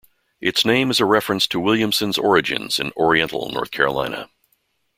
Its name is a reference to Williamson's origins in Oriental, North Carolina.